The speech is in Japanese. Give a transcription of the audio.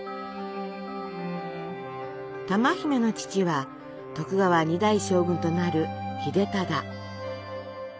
珠姫の父は徳川２代将軍となる秀忠。